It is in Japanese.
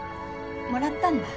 もらったんだ。